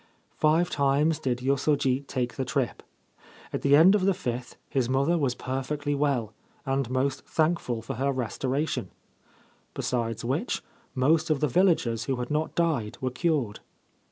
Five times did Yosoji take the trip. At the end of the fifth his mother was perfectly well, and most thankful for her restoration ; besides which, most of the villagers who had not died were cured.